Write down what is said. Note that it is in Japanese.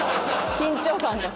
緊張感が。